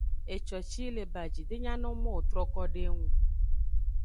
Eco ci yi le baji de nyano mo wo troko do eye nu.